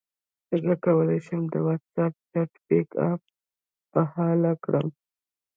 څنګه کولی شم د واټساپ چټ بیک اپ بحال کړم